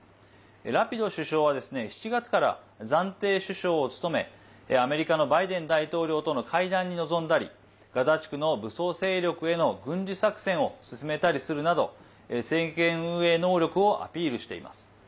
ラピド首相は７月から暫定首相を務めアメリカのバイデン大統領との会談に臨んだりガザ地区の武装勢力への軍事作戦を進めたりするなど政権運営能力をアピールしています。